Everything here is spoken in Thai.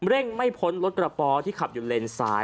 เร่งไม่พ้นรถกระป๋อที่ขับอยู่เลนซ้าย